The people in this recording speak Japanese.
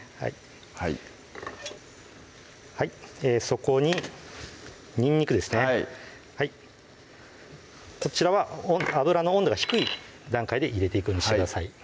はいそこににんにくですねはいこちらは油の温度が低い段階で入れていくようにしてください